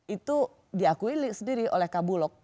itu diakui sendiri oleh kabulok